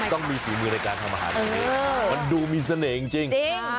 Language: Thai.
ต้องมีฝีมือในการทำอาหารแบบนี้มันดูมีเสน่ห์จริง